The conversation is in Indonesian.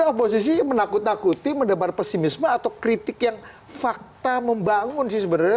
tapi oposisi menakut nakuti mendebar pesimisme atau kritik yang fakta membangun sih sebenarnya